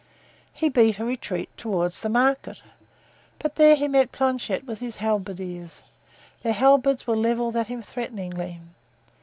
He beat a retreat toward the market, but there he met Planchet with his halberdiers; their halberds were leveled at him threateningly.